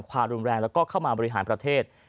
ความรุนแรงแล้วก็เข้ามาบริหารประเทศ